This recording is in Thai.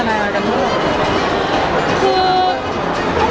รักษาแต่งอ่อนหรอคะ